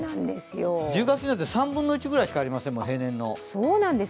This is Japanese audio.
１０月なんて、３分の１ぐらいしかありませんもん、平年の。